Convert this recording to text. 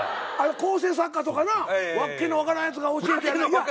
構成作家とかなわけの分からんやつが教えて。